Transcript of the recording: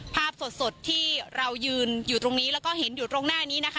ภาพสดที่เรายืนอยู่ตรงนี้แล้วก็เห็นอยู่ตรงหน้านี้นะคะ